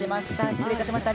失礼いたるしました。